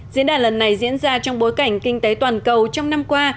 diễn đàn lần này diễn ra trong bối cảnh kinh tế toàn cầu trong năm qua